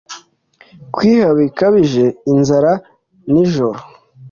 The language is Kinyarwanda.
Kwiheba bikabije Inzara nijoro